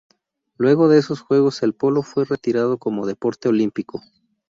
Luego de esos juegos el polo fue retirado como deporte olímpico.